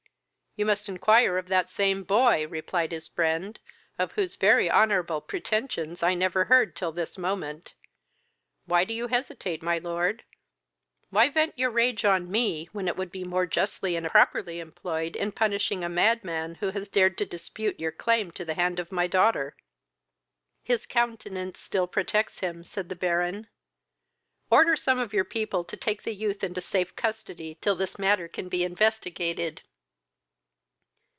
"You must inquire of that same boy, (replied his friend,) of whose very honourable pretensions I never heard till this moment. Why do you hesitate, my lord? why vent your rage on me, when it would be more justly and properly employed in punishing a madman who has dared to dispute your claim to the hand of my daughter?" "His countenance still protects him, (said the Baron.) Order some of your people to take the youth into safe custody till this matter can be investigated."